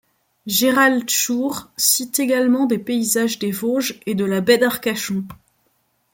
Gérald Schurr cite également des paysages des Vosges et de la baie d'Arcachon.